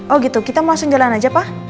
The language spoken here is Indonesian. oh gitu kita mau langsung jalan aja pak